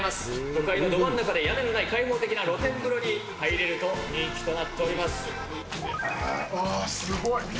都会のど真ん中で屋根のない開放的な露天風呂に入れると、人気とあー、すごいね。